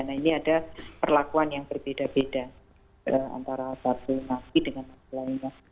nah ini ada perlakuan yang berbeda beda antara satu napi dengan napi lainnya